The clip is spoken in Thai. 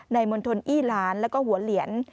ในมณฑลอี้หลานและหัวเหลียน